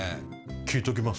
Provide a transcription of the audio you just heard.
聞いときます